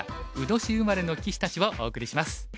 卯年生まれの棋士たち」をお送りします。